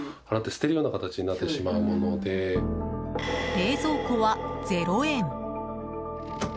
冷蔵庫は、０円。